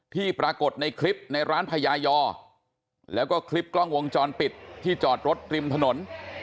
ที่ปรากฏในคลิปในร้านพญายอแล้วก็คลิปกล้องวงจรปิดที่จอดรถริมถนน